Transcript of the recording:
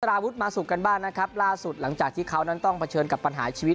ราวุฒิมาสุกกันบ้างนะครับล่าสุดหลังจากที่เขานั้นต้องเผชิญกับปัญหาชีวิต